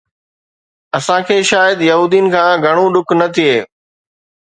اسان کي شايد يهودين کان گهڻو ڏک نه ٿئي